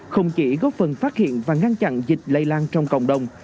không chỉ góp phần phát hiện và ngăn chặn dịch lây lan trong cộng đồng